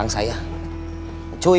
orang sudah terang terangan tentang saya